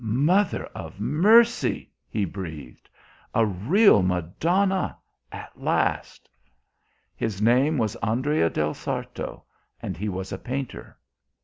'Mother of mercy!' he breathed. 'A real Madonna at last!' His name was Andrea del Sarto, and he was a painter."